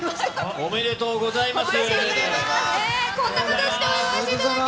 おめでとうございます。